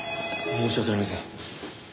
申し訳ありません。